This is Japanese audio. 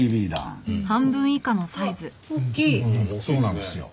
そうなんですよ。